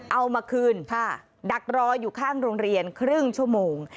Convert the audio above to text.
เอามาคืนดักรออยู่ข้างโรงเรียนครึ่งชั่วโมง